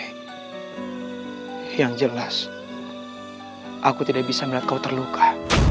yang jelas aku tidak bisa melihat kau terluka